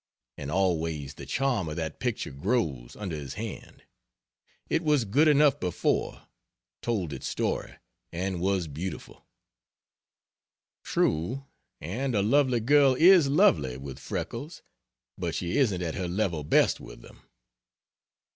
And always the charm of that picture grows, under his hand. It was good enough before told its story, and was beautiful. True: and a lovely girl is lovely, with freckles; but she isn't at her level best with them.